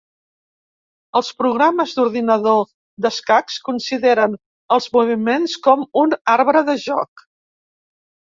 Els programes d'ordinador d'escacs consideren els moviments com un arbre de joc.